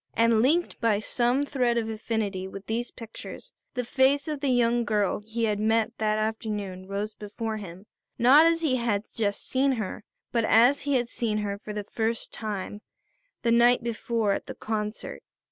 And linked by some thread of affinity with these pictures, the face of the young girl he had met that afternoon rose before him. Not as he had just seen her, but as he had seen her, for the first time, the night before at the concert.